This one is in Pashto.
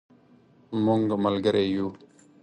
مونږ ملګری یو